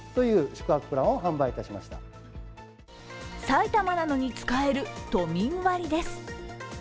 埼玉なのに使える都民割です。